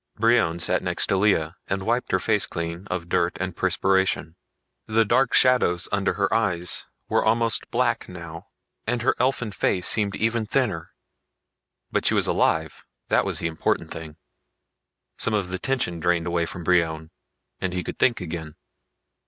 Brion sat next to Lea and wiped her face clean of dirt and perspiration. The dark shadows under her eyes were almost black now and her elfin face seemed even thinner. But she was alive that was the important thing. Some of the tension drained away from Brion and he could think again.